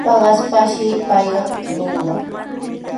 Paqaspashi payqa kutimunqa.